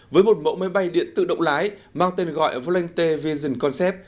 với một mẫu máy bay điện tự động lái mang tên gọi volante vision concept